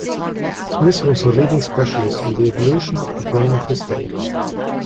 Smith was the leading specialist on the evolution of the brain of his day.